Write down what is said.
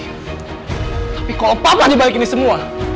tapi kalau papa dibalikin semua